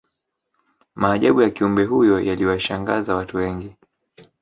maajabu ya kiumbe huyo yaliwashangaza watu wengi